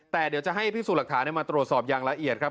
แต่เดี๋ยวจะให้พิสูจน์หลักฐานมาตรวจสอบอย่างละเอียดครับ